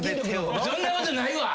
そんなことないわ！